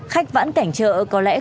khách vãn cảnh chợ có lẽ không